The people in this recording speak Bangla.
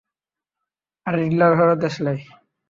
আর রিডলার হলো দেশলাই।